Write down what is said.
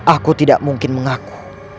aku tidak mungkin mengaku